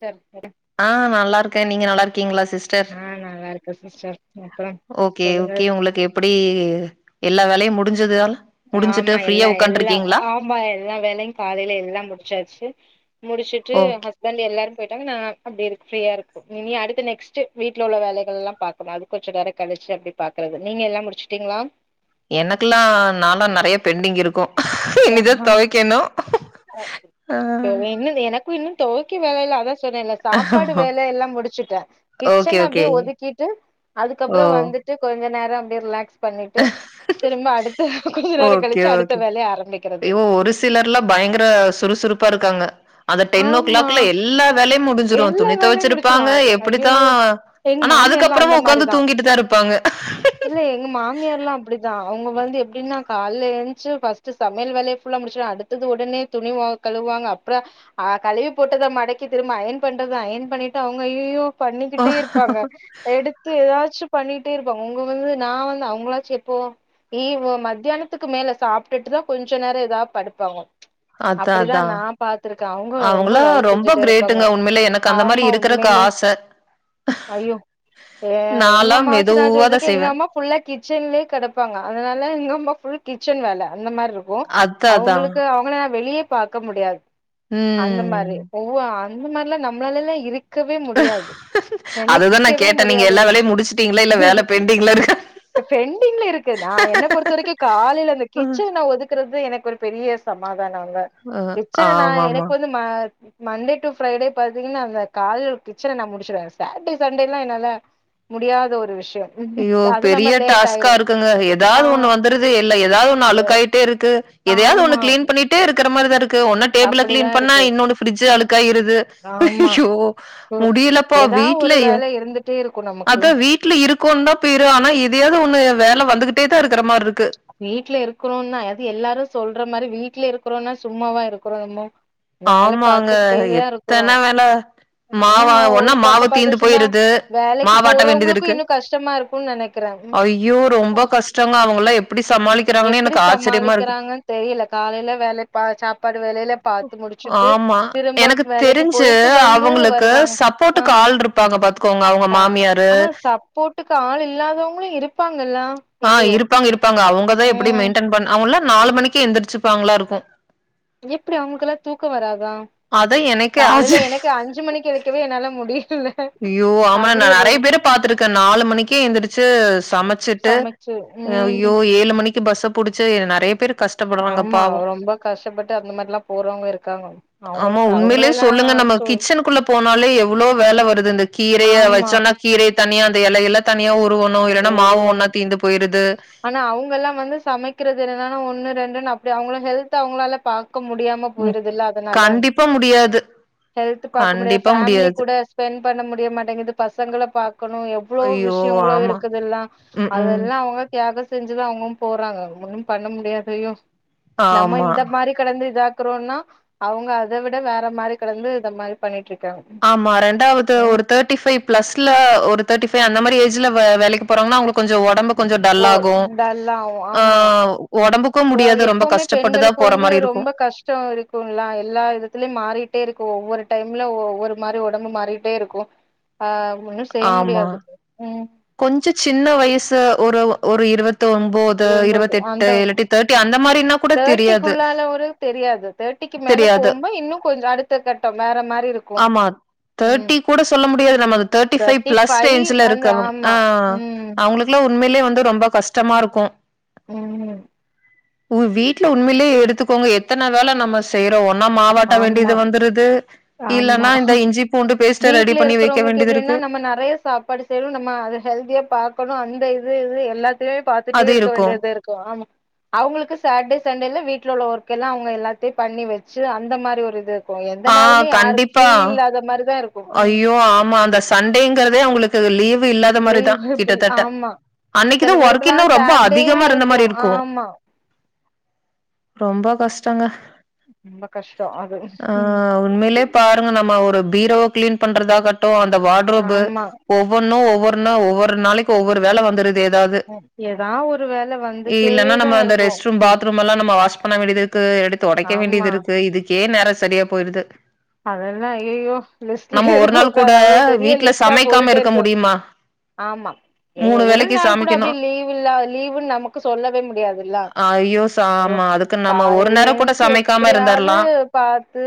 Sir சரி ஆ நல்லார்க்கே நீங்க நல்லா இருக்கீங்களா சிஸ் ஆ நல்லா இருக்கே சிஸ்டர் அப்பறோ ஓகே சொல்லுங்க ஓகே உங்களுக்கு எப்டி எல்லா வேலையு முடிஞ்சதா ஆமா எல்லா எல்லா ஆமா எல்லா வேலையு காலையில எல்லாம் முடிச்சாச்சு முடிச்சிட்டு ஓகே ஹஸ் பண்டு எல்லாரும் போயிட்டாங்க நா அப்டி இருக்கு ஃப்ரீயா இருக்கும் நீ அடுத்த நெக்ஸ்ட் வீட்டுல உள்ள வேலைகள்லா பாக் ஆமா அது கொஞ்ச நேர கழிச்சி அப்டி பாக்குறது நீங்க எல்லாம் முடிச்சுட்டீங்களா எனக்குல்லாம் நாளாம் நெறைய பெண்டிங் இருக்கும் இனிதா ஆஹா தொவைக்கணும் ஆ ஓ இன்னும் தொவைக்க வேல இல்ல அதா சொன்னேல்ல சாப்பாடு வேல எல்லா முடிச்சுட்டே ஓகே கிச்சன்ன ஓகே அப்டியே ஒதுக்கிட்டு ஓ அதுக்கப்பறோ வந்து ந்து கொஞ்ச நேரோ அப்டியே ரிலாக்ஸ் பண்ணிட்டு திரும்ப அடுத்த கொஞ்ச நேரோ ஓகே கழிச்சு அடுத்த ஓகே வேலைய ஆரம்பி மிக்கறது ஐயோ ஒரு சிலர்லா பயங்கர சுறுசுறுப்பா இருக்காங்க அந்த டென் ஓ ஆமா கிளாக்ல எல்லா வேலையும் முடிஞ்சிரும் எல்லா துணி வேலையு முடிச்சிருவோ தொவச்சிருப்பாங்க எப்டித்தா ஐயையோ எங்க ஆனா மாமியார்லா அந்த அதுக்கப்றமும் உட்காந்து மாரிதா தூங்கிட்டு தா இருப்பாங்க இல்ல எங்க மாமியார்ல்லா அப்டிதா அவங்க வந்து எப்டின்னா கால எழுச்சு ஃபர்ஸ்ட் சமையல் வேலைய ஃபுல்லா முடிச்சு அடு தது உடனே துணி வா கழுவாங்க அப்றோ ஆ கழுவி போட்டதா மடக்கி திரும்ப அயன் பண்றத அயன் பண்ணிட்டு அவங்க ஐயயோ பண்ணிக்கிட்டே இருப்பாங்க எடுத் து ஏதாச்சும் பண்ணிட்டே இருப்பாங்க உங்க வந்து நா வந்து அவங்களாச்சும் எப்போ இ ஒ மத்தியானத்துக்கு மேல சாப்பிட்டுட்டுதா கொஞ்ச நேரோ ஏதாவது படுப்பாங்க அதா அப்படில்லா அதா நா பாத்துருக் அவங்க ரொம்ப அவங்களாம் வேல ரொம்ப செஞ்சுட்டே இருப்பாங்க கிரேட்டுங்க உண்மையிலே எனக்கு அந்த மாரி ஆமா இருக்கறக்கு உண்மைலே ஆச. அயோ ஆ எங்க நான்லாம் அம்மாவாச்சு நான் மெதுவா தான் சொல்றக்கேன் எங்க செய்வேன். அம்மா ஃபுல்லா கிச்சன்லயே கிடப்பாங்க அதனால இங்க ஃபுல் கிச்சன் வேலை அந்த மாறி இருக் கும் அதான் அதான். அவங்களுக்கு அவங்கள வெளிய பாக்க முடியாது ம் அந்த மாறி ஒவ் அந்த மாறில்லாம் நம்மளாலல்லாம் இருக்க கவே முடியாது அதுதான் நான் நெனைக்கவே கேட்டேன். நீங்க முடியாத எல்லா ஒரு வேலையும் விஷயம் முடிச்சுட்டீங்களா? இல்ல வேல பெண்டிங்ல இருக்கா? பெண்டிங்ல இருக்குது நா என்ன பொறுத்த வரைக்கும் காலைல அந்த அ, கிச்சன் நா ஒதுக்குறது எனக்கு ஒரு பெரிய சமாதானல்ல அ, கிச்சன நா ஆமாமா. எனக்கு வந்து மண்டே டு ஃரைடே பாத்தீங்கன்னா அந்த காலைல கிச்சன நான முடிச்சிருவேன் சாட்டர்டே சண்டே எல்லாம் என்னால முடியாத ஒரு விஷயம் ஐயோ பெரிய டாஸ்கா இருக்குங்க ஆ ஏதாவது ஒண்ணு வந்துருது இல்ல ஏதாவது ஒண்ணு எ அழுக்காயிட்டே இருக்கு எதயாவது ஒன்னு ஆமா கிளீன் பண்ணிட்டே இருக்க மாறிதா ஒன்னு டேபிள அப்டிதா கிளீன் பண்ணா இருக்கு இன்னொன்னு பிரிட்ஜ் அழுக்காயிருது ஆமா ஹையோ ம் முடியலப்போ ஏதா ஒரு வீட்லய வேல இருந்துட்டே இருக்கு நமக்கு அத வீட் வீட்ல இருக்கோம்னு தான் பேரு ஆனா எதையாவது ஒண்ணு வேலை வந்துகிட்டே தா இருக்கற‌மாறி இருக்கு வீடல இருக்கிறோம்னா எல்லாரும் சொல்ற மாறி வீடல இருக்கறோனா சும்மாவா இருக்கிறோம் நம்ம வேலை ஆமாங்க. பாத்துக்கிட்டேதா எத்தன இருக்கறோம் வேல. ஆனா மாவா ஒன்னா ஒரு மாவு பக்கம் தீந்து பாத்துச்சுன்னா போயிருது. வேலைக்கு போறவங்களுக்கும் இன்னு‌ கஷ்டமா இருக்கும்னு நினைக்கு அய்யோ ரொம்ப கஷ்டங்க அவஙகல்லா எப்டி சமாளிக்கிறாங்கன்னு எனக்கு ஆச்சரியமா இருக்கு தெரில காலைல வேலை சாப்பாடு வேலைல பாத்து முடிச்சுட்டு ஆமா. திரும்ப எனக்கு வேலைக்கு தெரிஞ்சு போயிட்டு வந்து வருவாங்க அ ங்க பாத்துக்கோங்க அவங்க மாமியாரு. ஆனா சப்போட்டுக்கு ஆள் இல்லாதவங்களும் இருப்பாங்கல்லா இல்லையோ ப்பங்க இருப்பங்க அவங்கதான எப்டி ம் மெயின்டென் பண்ண அவங்கல்லா நாலுணிக்கு எந்திரச்சிப்பாங்களா இருக்கும் எப்படி அவங்களுக்கெல்லா தூக்கம் வராதா அதான் எனக்கே காலையில ஆச்சரியம். எனக்கு அஞ்சு மணிக்கு வச்ச எந்திரிக்கவே என்னால முடியல அய்யோ ஆமா நா அப்டி ரொ நெறைய பேரு பாத்துருக்கேன் நாலு மணிக்கே எழுந்திரிச்சு சமைச்சிட்டு சமைச்சு ம் ஐ்யோ ஏழு மணிக்கு பஸ்ஸ புடிச்சு நிறைய பேர் கஷ்டம் ஆமா ரொம்ப கஷ்டப்பட்டு அந்த மாதிரில்லாம் போறவங்க இருக்காங்க ஆமா அவங்களுக்கு உண்மையிலே சொல்லுங்க அவங்களெல்லாம் நம்ம சொல் கிச்சனுக்குள்ள போனாலே எவ்ளோ வேலை வருது இந்த கீரைய ஆமா வச்சோம்ன்னா கீரை தனிய அந்த இலையல்ல தனியா உருவனும் இல்லைன்னா மாவு ஒருவன் ஒன்னா தீந்து போயிருது ஆனா அவங்க எல்லாம் வந்து சமைக்கிறது என்னன்னா ஒண்ணு ரெண்டு அப்படி அவங்க ஹெல்த் அவங்களால பாக்க முடியாம போயிருதுல்ல கண்டிப்பா முடியாது ஹெல்த்து பாக்க முடியா கண்டிப்பா ஃபேமிலி முடியாது. கூட ஸ்பெண்ட் பண்ண முடிய மாட்டேங்கது பசங்கள பாக்கணும் ஐயோ ஆமா இருக்குதெல்லாம் ம், ம். அதெல்லாம் அவங்க தியாக செஞ்சுதா அவங்க போறாங்க ஒன்னும் பண்ண முடியாது நம்ம ஆமா. இந்த மாதிரி கடந்து இதாக்குறோம்னா அவங்க அதை விட வேற மாதிரி கடந்து இந்த மாதிரி பண்ணிட்டுருக்காங்க ஆமா ரெண்டாவது ஒருத்தர் தேட்டிஃபைவ் பிளஸ்ல ஒரு தேட்டிஃபைவ் அந்த‌மாதிரி ஏஜ்ல வேலைக்கு போறாங்கனா அவங்களுக்கு கொஞ்ச உடம்புல கொஞ்சம் டல்லாகும் டல்லாவு ஆ ஆமா உடம்பு க்க வ முடியாது ரொம்ப கஷ்டப்பட்டுதான் போற மாதிரி இருக்கும் க்டம் இருக்கும்ல்லா எல்லா விதத்துலயும் மாறிட்டே இருக்கும் ஒவ்வொரு டைம்ல ஒவ்வொரு மாதிரி உடம்பு மாறிட்டே இருக்கும் ஆ ஒன்னு செய்ய முடியாது ம் கொஞ்சொ சின்ன வயசு ஒரு ஒரு இருவத் ஒன் ஒம்போது விரும்பது இருவத்தெட்டு அந்த இல்லாட்டி தேர்ட்டி அந்த மாரினா கூட தெரியாது தேர்ட்டிக்கி மேல தெரியாது. போகும்போ இன்னு கொஞ்சொ அடுத்த கட்டம் வேற மாரி இருக்கு ம் தேர்ட்டி கூட சொல்ல முடியாது நம்ம அத தேர்ட்டி ஃபை பிளஸ் ஃபைவ் ரேஞ்ச்ல வந்து இருக்கவங் ஆ ஆமா ம் அவுங்களுக்குலா உண்மைலே வந்து ரொம்ப கஷ்டமா இருக்கு ம் ம் உங்க வீட்ல உண்மைலே எடுத்துக்கோங்க எத்தன வேல நம்ம செய்றோ ஒன்னா மாவாட்ட வேண்டிது ஆமா வந்துருது ஆமா இல்லன்னா இந்த இஞ்சி பூண்டு பேஸ்ட்ட ரெடி வீட்ல பண்ணி வெக்க இருக்கிறவங்களுக்கு வேண்டிது எப்டின்னா இருக்கு நம்ம [unintelligible] நம்ம அது ஹெல்தியா பாக்கணு அந்த இது இது எல்லாத்தைய்மே பாத்துட்டே இருக்க வேண்டிது இருக்கு கு ஆமா அவுங்களுக்கு சாட்டே சண்டேல்ல வீட்ல உள்ள ஒர்க் எல்லா அவுங்க எல்லாத்தையு பண்ணி வச் ட்டு அந்த மாரி ஒரு இது இருக்கு எந்த ஆ நாளுமே யாருக்கு ஃப்ரீ இல்லாத மாரிதா இருக்கு ஓ ஆமா அந்த சண்டேங்கிறதே அவுங்களுக்கு லீவு இல்லாத மாரிதா லீவபிள் கிட்டத்தட்ட ஆமா அன்னக்கி தா சில ஒர்க் பேருக்குல்லா இன்னொ ரொம்ப சாட்டர்டேயு அதிகமா இருந்த மாரி இருக்கு ஆமா ரொம்ப கஷ்டங்க ரொம்ப கஷ்டொ அது ஆ ம் உண்மைலே பாருங்க நம்ம ஒரு பீரோவ கிளீன் பண்றதாகட்டு அந்த வார்ட்ரோப்பு ஆமா ஒவ்வொன்னு ஒவ்வொருனு ஒவ்வொரு நாளக்கி ஒவ்வொரு வேல வந்துரு ஏதாது எதா ஒரு வேல இல்லன்னா வந்துட்டேதா நம்ம அந்த இருக்கு ரெஸ்ட் ரூம் பாத் ரூம்லா நம்ம வாஷ் பண்ண வேண்டிது இருக்கு எடுத்து தொடைக்க வேண்டிது ஆமா இருக்கு இதுக்கே நேரொ சரியா போயிருது அதெத ஐய்யயோ லிஸ்ட்லே நம்ம ஒரு நாள் கூட [unintelligible] அவ்லோ பெரிய வீட்ல லிஸ்ட்டா சமைக்காம போட்டுட்டே இருக்க இருக்கு முடியுமா ஆமா ஏ மூணு ஒரு வேளைக்கு நாள் கூட சமைக்கணு அப்டியே லீவ் இல்ல லீவுன்னு நமக்கு சொல்லவே முடியாதுல்ல ஐயோ ச அய்யோ ஆமா அதுக்கு நம்ம ஒரு காலேல நேரோ கூட எந்ச்சு சமைக்காம எப்டியாது இருந்தர்லா பாத்து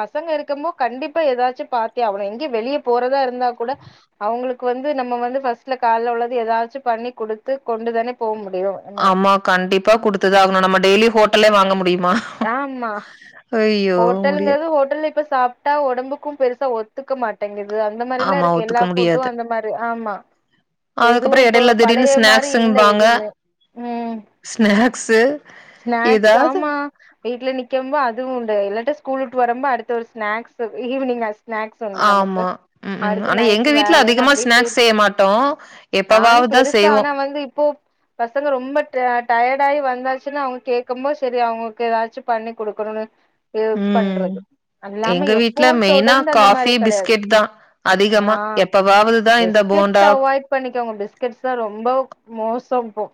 பசங்க இருக்கம்போ கண்டிப்பா எதாச்சு பாத்தே அவனு எங்கெ வெளிய போறதா இரு இருந்தா கூட அவுங்களுக் க்கு வந்து நம்ம வந்து ஃபஸ்ட்ல கால்ல உள்ளது எதாச்சு பண்ணி குடுத்து கொண்டு தானே போ முடியு ஆமா கண்டிப்பா குடுத்துதா ஆகணு நம்ம டெய்லி ஹோட்டல்லே வாங்க முடியுமா ஆமா ஐயோ முடிய ஹோட்டல்ங்கிறது ஹோட்டல்ல இப்ப சாப்ட்டா ஒடம்புக்கு பெருசா ஒத் ஒத்துக்க மாட்டேங்கிது அந்த மாரிலா ஆமா இருக்கு ஒத்துக்க எல்லா ஃபுட்டு முடியாது அந்த மாரி ஆமா எதுவு அதுக்கப்புறோ இப்போ எடையில திடீர்னு பழைய மாரி இல்ல எதுவுமே ம் ஸ்நாக்ஸ்ஸு ஸ்நாக்ஸ்தாமா வீட்ல நிக்கம்போ அதுவு உண்டு இல்லாட்ட ஸ்கூலுட்டு வரம்போ அடுத்த ஒரு ஸ்நாக்ஸ் ஈவ்னிங் ஸ்நாக்ஸ் உண்டு நமக்கு ஆமா. ம், ம். அடுத்து ஆனா எங்க நைட்டு் வீட்ல வேலைன்னு அதிகமா அப்டியே போயி ஸ்நாக்ஸ் செய்ய மாட்டோம். நானு எப்பவாவது தான் பெருசா செய்வோம். ஆனா வந்து இப்போ பசங்க ரொம்ப டயடா ஆயி வந்தா ச்சுனா அவுங்க கேக்கம்போது செரி அவுங்களுக்கு எதாச்சு பண்ணி குடுக்கணுனு இது ம். பண்றது அல்லாம எங்க வீட்ல எப்பவு மெயினா தொடர்ந்து அந்த மாரி காஃபி, கெடையாது பிஸ்கெட் தான் ஆ அதிகமா. எப்பவாவது தான் இந்த பிஸ்கெட்ஸ் போண்டா அவாய்ட் பண்ணிக்கோங்க பிஸ்கெட்ஸ் தா ரொம்ப மோசொ இப்போ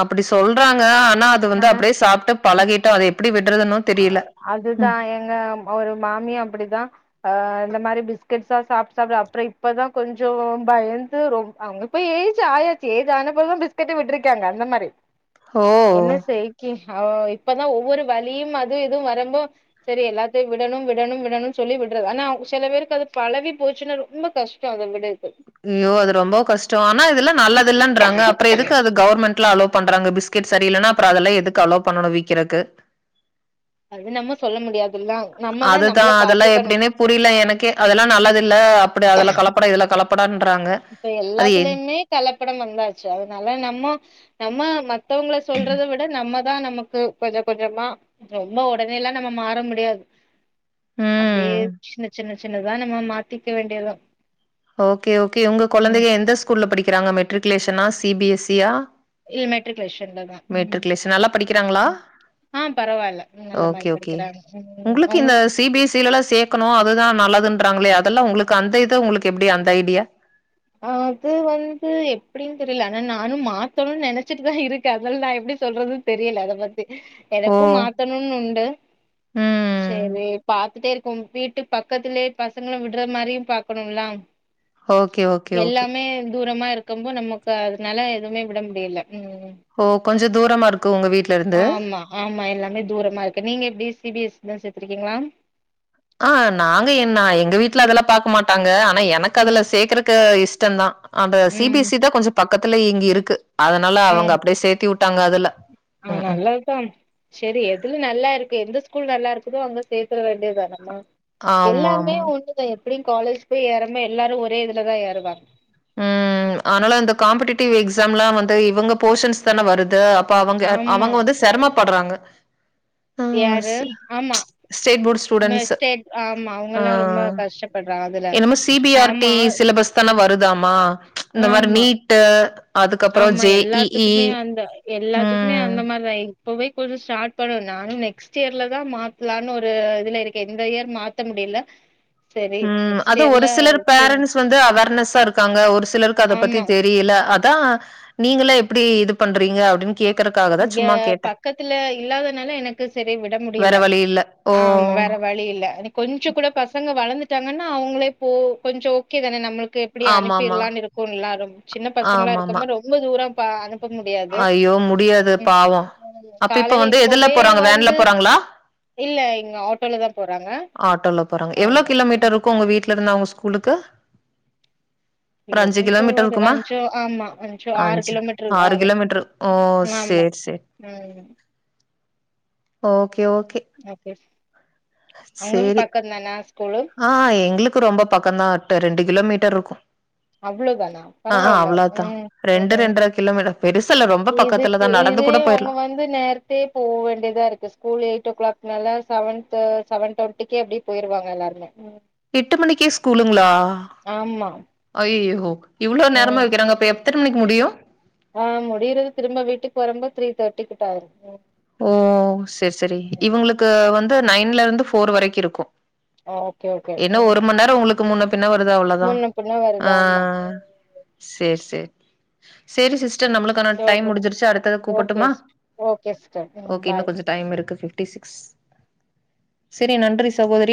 அப்டி சொல்றாங்க ஆனா அது வந்து ஆனா அப்டியே சாப்ட்டு பழகிட்டோ அத எப்டி விட்றதுன்னு அதுதா எங்க ஒரு மாமி அப்டிதா அ இந்த மாரி பிஸ்கெட்ஸ்ஆ சாப்ட்டு சாப்ட்டு அப்பறொ இப்பதா கொஞ்சொ பயந்து ரொம் அங்க இப்ப எஜ் அயாச்சு ஏஜீ ஆனப்பதா பிஸ்கெட்டு விட்டுருக்காங்க அந்த மாரி ஓ! என்ன செய்க்கி அவ் இப்பதா ஒவ்வொரு வழியும் அதுவு இதுவு வரம்ப செரி எல்லாத்தையு விடணும் விடணும் விடணுன்னு சொல்லி விட்றது ஆனா அவ் சில பேருக்கு அது பழவி போச்சுன்னா ரொம்ப கஷ் ச்சு அதவிட இர்க்கு அய்யோ அது ரொம்ப கஷ்டொ ஆனா அதுல்ல நல்லதுலன்றாங்க அப்ற எதுக்கு அது கவுவர்மெண்ட்ல அலோ பண்றாங்க பிஸ் கெட் சரியில்லன அப்ற அதல எதுக்கு அலோ பண்ணணு வீக்கிறக்கு அது நம்ம சொல்ல முடியாதுல்லா நம்மதா நம்மள பாத்துக்கணு புரிய்ல எனக்கே அதல்லா நல்லதுல்ல அப்டி அதுல கலப்பட இதுல கலப்படான்றாங்க இப்ப எல்லாத்லயுமே கலப்படம் வந்தாச்சு அதுனால நம்மோ நம்ம மத்தவங்கள சொல்றத விட நம்ம தா நம்மக்கு கொஞ்ச கொஞ்சம்மா ரொம்ப ஒடனேல்லா நம்ம மாற முடியாது அப்டே ம். சின்ன சின்ன சின்னதா நம்ம மாத்திக்க வேண்டியதா ஓக்கே ஓக்கே ஒங்க ம் கொழந்தைக எந்த ஸ்கூல்ல படிக்குறாங்க மெட்ரிகுலேஷனா சி பி எஸ் சியா இல்ல மெட்ரிகுலேஷன்லதா ம் மெட்ரிகுலேஷன் நல்லா படிக்கிறாங்களா ம் ஆ பரவால்ல நல்ல மாரி ஓக்கே ஓக்கே படிக்கிறாங்க ம் உங்ளுக்கு இந்த உங்க சி பி எஸ் சி ல்லா சேக் க்கணு அதுதா நல்லதுன்றாங்களே அதெல்லா ஒங்களுக்கு அந்த இது ஒங்களுக்கு எப்டி அந்த ஐடியா அது வந்து எப்டின் தெரியல ஆனா நானும் மாத்தணும்னு நினைச்சிட்டு தான் இருக்கேன் அதால்லா நா எப்டி சொல்றது தெரியல அத பத்தி ஓ! எனக்கும் மாத்தணுன் உண்டு ம். சேரி பாத்துட்டேருக்கோ வீட்டு பக்கத்துலே பக்கத்துலே பசங்கள விட்டுற மாறியு பாக்கணும்லா ஓக்கே ஒக் எல்லாமே தூரம்மா இருக்கம்போ நம்மக்கு அதுனால எதுவுமே விட முடியல்ல ஓ கொஞ்ச தூரமா இருக்கு உங்க வீடு ஆம்மா ஆம்மா எல்லாமே தூரமாருக்கு நீங்க எப்டி சி பி எஸ் சி தா சேத்துருக்கீங்ளா ஆ நாங்க என்னா எங்க வீட்டுல அதல்லா பாகக்க மாட்டாங்க ஆனா எனக்கு அதுல ம் சேக்கறக்கு இஷ்டந்தா அந்த சி பி ம் எஸ் சி தா கொஞ்சொ பக்கத்துல இங்க இருக்கு அதனால அவங்க அப்டே சேத்தி வுட்டாங்க அதுல ம்ஹ்ம். ஆனல்ல ப்பம் சேரி எதுல நல்லாருக்கு எந்த ஸ்கூல் நல்லாருக்குதோ அங்க சேர்க்கர வேண்டியதனம்மா எல்லாமே ஆமாமா. ஒண்ணுதா எப்பிடியும் காலேஜ் போய் ஏறம்ம எல்லாரு ஒரே இதுலதா ஏறுவாங்க ம் ஆனால அந்த காம்படிட்டிவ் எக்ஸாலா வந்து இவுங்க போர்ஷன்ஸ்தன வருது ப்ப அவங்க ஆமா அவங்க வந்து சிரமப்படுறாங்க ஆ யாரு ஸ் ஆம்மா ஸ்டேட் போர்ட் ஸ்டூடண்ட்ஸ். மேட் ஆம்மா ஆ. அவுங்கல்லா ரொம்ப கஷ்டப்பட்றாங் அதுல ஆம்மா த்தன வருதாம்மா இந்தமார் நீட்டு அதுக்கப்புறம் ஆம்மா ஜேஇஇ. எல்லாத்துக்மே அந்த எல்லாத்துக்மே ம். அந்த மார்தா புவேக் ஒரு ஸ்டார்ட் பண்ணே நானு நெக்ஸ்ட் யேர்ல தா மாத்துலான்னு ஒரு இதுல இருக்கே இந்த யேர் மாத்த முடிய்ல [unintelligible] ம் அது ஒரு சிலர் பேரண்ஸ் வந்து அவர்னஸ்ஸா இருக்காங்க ஒரு சிலருக்கு அத பத்தி ஆமா தெர் தெரியில அதா நீங்கள எப்புடி இது பண்றீங்க அப்டின் கேக்கறக்கா ங்க பக்கத்துல இல்லாதனால எனக்கு சரி விட வேற முடியல வழி இல்ல ஓ ஆம்மா வேற வழி இல்ல கொஞ்சொ கூட பசங்க வளந்துட்டாங்கன்னா அவுங்களே போ கொஞ்சொ ஓக்கே தானே நம்மளுக் கேப்பிடி ஆமாமா அனுப்பிர்லான்னு இருக்கோன்லா அது சின்ன பசங்கள ஆமாமா இருக்கப்போ ரொம்ப தூரப்ப அனுப் ஐயோ முடியாது பாவோ ம். அப்ப இப்ப காலையில வந்து எதுல இப்பவே போறாங்க வேன்ல வந்து போறாங்களா இல்ல இங்க ஆட்டோல தா போறாங்க ஆமா கிலோ ம். மீட்டர் இருக்கு உங்க வீட்ல இருந்து அவங்க ஸ்கூலுக்கு ஒரு அஞ்சு கிலோமீட்டர் ஒரு இருக்குமா அஞ்சோ ஆமா அஞ்சோ ஆறு கிலோமீட்டர் ஆறு மீட்டரு ஓ சேர் சேர் ம். ஓகே ஓகே ஓகே அவங்களுக்கு பக்கந்தானா ஸ்கூலு ஆஹா எங்களுக்கு ரொம்ப பக்கந்தா டு ரெண்டு கிலோ மீட்டர்ருக்கு அவ்ளோதானா? ஆஅ பரவால்ல. அவ்ளதா ம். ரெண்டு ம். ரெண்ர கிலோமீட்டர் பெருசல்ல ரொம் ரொம்ப பக்கத்துல தா நடந்து கூட போயிறலா இந்த நேரத்தே போ வேண்டிதா இருக்கு ஸ்கூல் எயிட் ஓ கிளாக் நால சவன் தோ சவன் டொன்டிக்கே அப்டி பெயிருவாங்க எல்லாருமே ம் எட்டு மணிக்கே ஸ்கூலுங்களா ஆமா ஐயையோ இவ்ளோ நேரமா ம் வெக்கறாங்க அப்ப எத்தன மணிக்கு முடியு ஆ முடிறது திரும்ப வீட்டுக் வரும்போ த்ரீ தேர்ட்டிக்கிட்ட ஆயிரு ம் ஓ செர் செரி ம் இவங்களுக்கு வந்து நைன்ல இருந்து போர் வரைக்கு இருக்கு ஓகே ஓகே என்ன ஒரு ம் மண் நேரோ உங்களுக்கு முன்ன பின்ன வருது அவ்ளதா முன்ன பின்ன ஆ வருது ஆமா ம் சேர் சேர் சேரி சிஸ்டர் நம்மளுக்கான சரி டைம் ஓகே முடிஞ்சிருச்சு அடுத்தது ஓகே கூப்பட்டுமா ஓகே சிஸ்டர் ம் ஓகே இன்னு பாய் கொஞ்சோ டைம் இருக்கு பிப்டி சிக்ஸ் செரி நன்றி சகோதரி